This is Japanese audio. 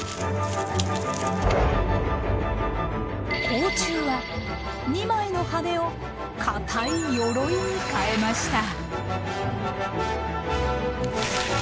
甲虫は２枚の羽を硬いヨロイに変えました。